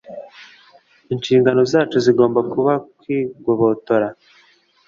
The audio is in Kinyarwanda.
inshingano zacu zigomba kuba kwigobotora